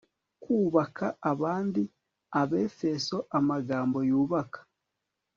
kubaka abandi Abefeso Amagambo yubaka